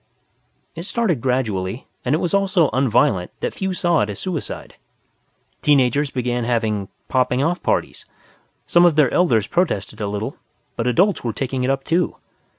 It started gradually, and it was all so un violent that few saw it as suicide. Teen agers began having "Popping off parties". Some of their elders protested a little, but adults were taking it up too.